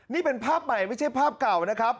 นี่เป็นภาพใหม่ไม่ใช่ภาพเก่านะครับ